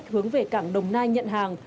hướng về cảng đồng nai nhận hàng